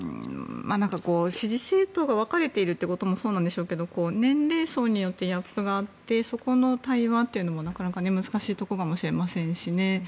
支持政党が分かれているということもそうなんでしょうけど年齢層によってギャップがあってそこの対話というのもなかなか難しいところかもしれませんしね。